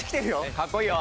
かっこいいよ！